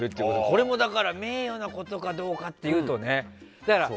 これも名誉なことかどうかっていうとね。